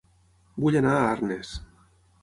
Vull anar a Arnes